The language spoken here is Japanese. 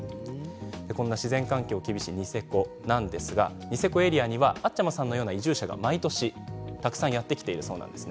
こんな自然環境が厳しいニセコなんですがニセコエリアにはあっちゃまさんのような移住者がたくさん毎年やって来ているそうなんです。